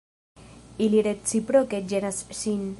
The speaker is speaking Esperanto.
Ili reciproke ĝenas sin.